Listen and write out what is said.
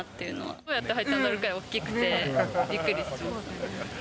どうやって入ったのかというぐらい大きくて、びっくりしましたね。